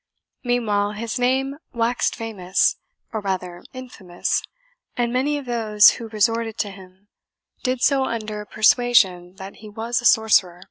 Meanwhile, his name waxed famous or rather infamous, and many of those who resorted to him did so under persuasion that he was a sorcerer.